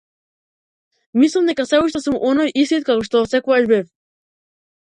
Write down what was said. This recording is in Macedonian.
Мислам дека сѐ уште сум оној истиот каков што отсекогаш бев.